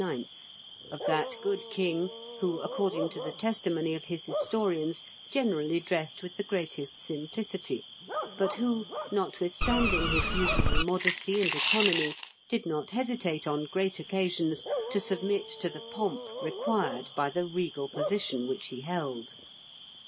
(Figs. 414 to 418), of that good king who, according to the testimony of his historians, generally dressed with the greatest simplicity, but who, notwithstanding his usual modesty and economy, did not hesitate on great occasions to submit to the pomp required by the regal position which he held.